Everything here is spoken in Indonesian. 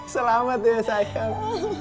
selamat ya sayang